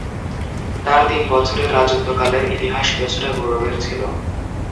তার তিন বছরের রাজত্বকালের ইতিহাস কিছুটা গৌরবের ছিল।